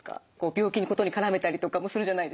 病気のことに絡めたりとかもするじゃないですか。